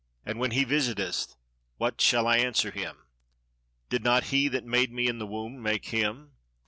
And when he visiteth, what shall I answer him? Did not he that made me in the womb make him?